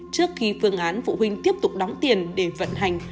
trước khi phương án phụ huynh tiếp tục đóng tiền để vận hành